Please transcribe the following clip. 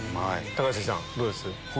高杉さんどうです？